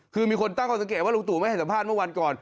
คือมีคนตั้งข้อสังเกตว่าลุงตู่ไม่ให้สัมภาษณ์เมื่อวันก่อน